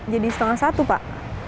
jadi setengah satu pak